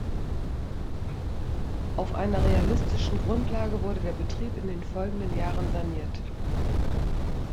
Auf einer realistischen Grundlage wurde der Betrieb in den folgenden Jahren saniert.